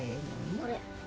これ。